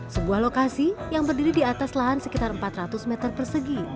sebuah lokasi yang berdiri di atas lahan sekitar empat ratus meter persegi